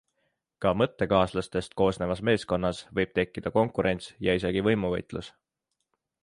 Ka mõttekaaslastest koosnevas meeskonnas võib tekkida konkurents ja isegi võimuvõitlus.